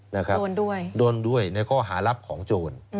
นะครับโดนด้วยโดนด้วยในข้อหารับของโจร